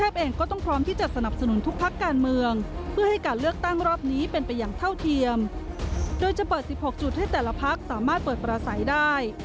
โดยจะเปิด๑๖จุดให้แต่ละพักสามารถเปิดประสัยได้